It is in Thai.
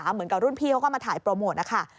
เหมือนกับรุ่นพี่เขาก็มาถ่ายโปรโมทนะคะ